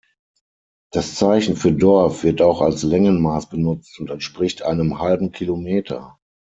Das Zeichen für Dorf wird auch als Längenmaß benutzt und entspricht einem halben Kilometer.